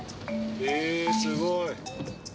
へえすごい。